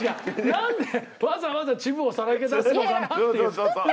なんでわざわざ恥部をさらけ出すのかなっていう。